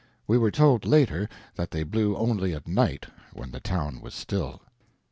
We were told, later, that they blew only at night, when the town was still.